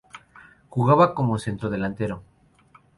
Jugaba como centrodelantero.